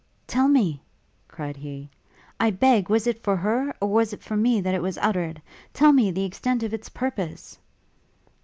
'Tell me,' cried he, 'I beg, was it for her ... or for me that it was uttered? Tell me the extent of its purpose!'